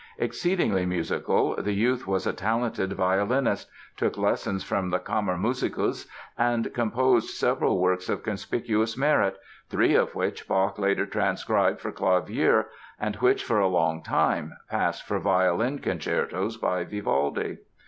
Exceedingly musical, the youth was a talented violinist, took lessons from the Kammermusikus, and composed several works of conspicuous merit, three of which Bach later transcribed for clavier and which, for a long time, passed for violin concertos by Vivaldi.